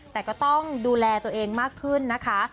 แต่ก็ต้องดูแลตัวเองมากขึ้นนะคะ